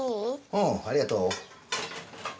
うん、ありがとう。